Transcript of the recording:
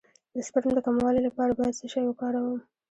د سپرم د کموالي لپاره باید څه شی وکاروم؟